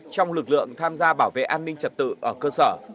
trong lực lượng tham gia bảo vệ an ninh trật tự ở cơ sở